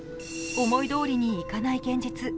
思いどおりにいかない現実。